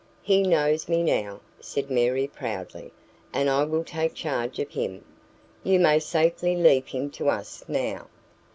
He knows me now," said Mary proudly, "and I will take charge of him. You may safely leave him to us now."